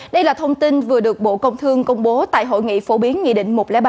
đây là thông tin vừa được bộ công thương công bố tại hội nghị phổ biến nghị định một trăm linh ba